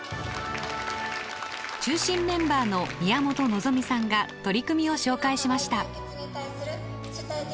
中心メンバーの宮本望美さんが取り組みを紹介しました。